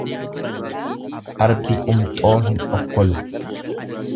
Arbi qumxoo hin hokkolu.